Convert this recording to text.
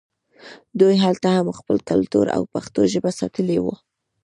دوی هلته هم خپل کلتور او پښتو ژبه ساتلې وه